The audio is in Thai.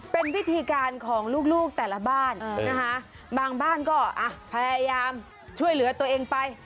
เป็นวิธีการของลูกแต่ละบ้านนะคะบางบ้านก็พยายามช่วยเหลือตัวเองไป